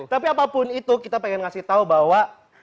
tapi apapun itu kita pengen ngasih tahu bahwa